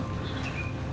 mungkin dia ke mobil